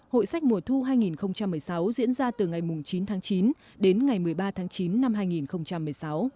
hội sách mùa thu hai nghìn một mươi sáu diễn ra từ ngày chín tháng chín đến ngày một mươi ba tháng chín năm hai nghìn một mươi sáu